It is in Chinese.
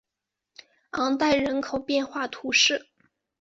昂代人口变化图示